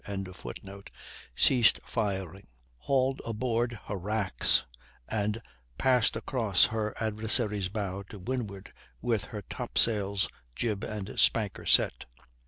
] ceased firing, hauled aboard her racks, and passed across her adversary's bows to windward, with her top sails, jib, and spanker set.